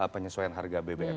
penyesuaian harga bbm